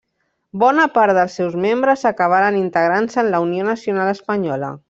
Bona part dels seus membres acabaren integrant-se en la Unió Nacional Espanyola.